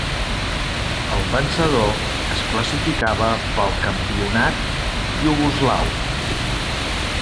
El vencedor es classificava pel campionat iugoslau.